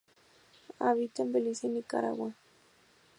Habita en Belice y Nicaragua.